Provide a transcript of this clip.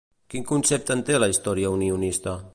Quin concepte en té la història unionista?